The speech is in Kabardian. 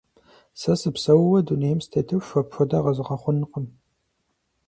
Сэ сыпсэууэ дунейм сытетыху, апхуэдэ къэзгъэхъунукъым.